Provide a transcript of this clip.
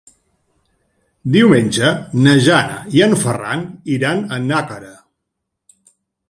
Diumenge na Jana i en Ferran iran a Nàquera.